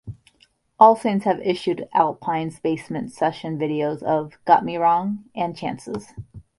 All Saints have issued Alpines Basement session videos of "Got Me Wrong" and "Chances".